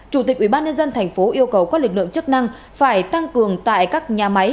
chủ tịch ubnd tp yêu cầu các lực lượng chức năng phải tăng cường tại các nhà máy